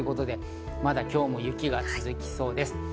まだ今日も雪が続きそうです。